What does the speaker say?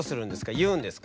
言うんですか？